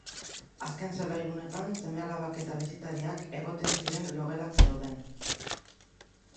Azken solairu honetan seme-alabak eta bisitariak egoten ziren logelak zeuden.